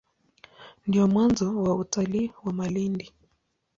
Ndio mwanzo wa utalii wa Malindi.